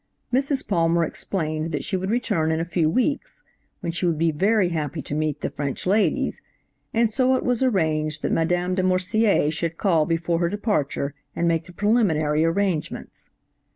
Mrs. Palmer explained that she would return in a few weeks, when she would be very happy to meet the French ladies, and so it was arranged that Mme. De Morsier should call before her departure and make the preliminary arrangements.